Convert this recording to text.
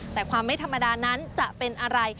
แต่ความไม่ธรรมดานั้นจะเป็นอะไร